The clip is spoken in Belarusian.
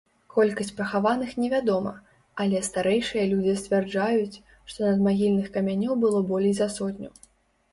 Колькасць пахаваных невядома, але старэйшыя людзі сцвярджаюць, што надмагільных камянёў было болей за сотню.